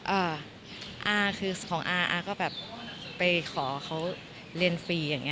เอออาคือของอาอาก็แบบไปขาวเขาเลฟรียังไง